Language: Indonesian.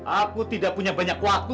aku tidak punya banyak waktu